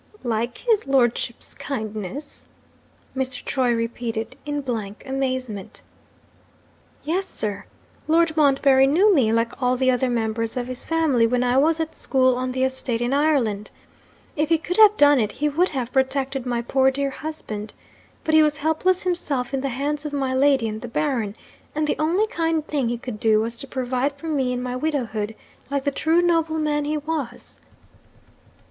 'Like his lordship's kindness?' Mr. Troy repeated, in blank amazement. 'Yes, sir! Lord Montbarry knew me, like all the other members of his family, when I was at school on the estate in Ireland. If he could have done it, he would have protected my poor dear husband. But he was helpless himself in the hands of my lady and the Baron and the only kind thing he could do was to provide for me in my widowhood, like the true nobleman he was!'